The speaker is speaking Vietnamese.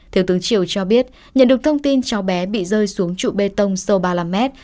thiếu tướng triều cho biết nhận được thông tin cháu bé bị rơi xuống trụ bê tông sâu ba mươi năm mét